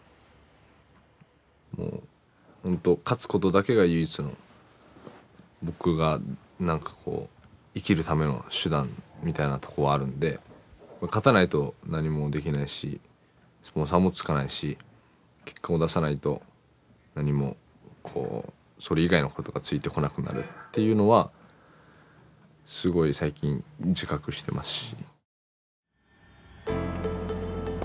もう本当勝つことだけが唯一の僕が何かこう生きるための手段みたいなとこがあるんで勝たないと何もできないしスポンサーもつかないし結果を出さないと何もこうそれ以外のことがついてこなくなるっていうのはすごい最近自覚してますし。